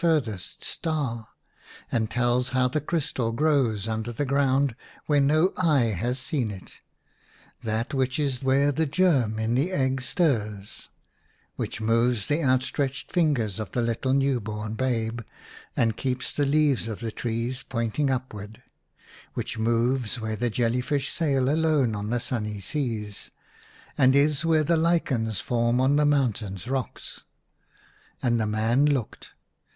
furthest star, and tells how the crystal grows under ground where no eye has seen it ; that which is where the germ in the egg stirs; which moves the outstretched fingers of the little new born babe, and keeps the leaves of the trees pointing upward ; which moves where the jelly fish sail alone on the sunny seas, and is where the lichens form on the mountains' rocks. And the man looked.